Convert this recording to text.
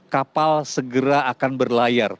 kapal segera akan berlayar